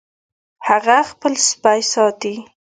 هغه خپل سپی ساتي